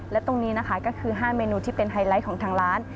และตรงนี้นะคะก็คือ๕เมนูที่เป็นไฮไลท์ของทางร้าน